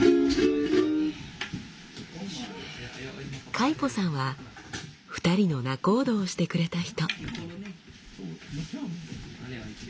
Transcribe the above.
カイポさんは２人の仲人をしてくれた人。